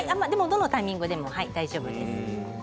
どのタイミングでも大丈夫です。